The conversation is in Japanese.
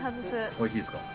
おいしいですか？